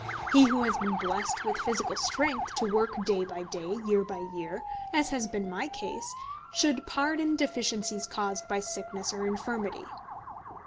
He who has been blessed with physical strength to work day by day, year by year as has been my case should pardon deficiencies caused by sickness or infirmity.